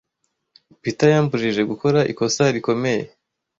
Peter yambujije gukora ikosa rikomeye.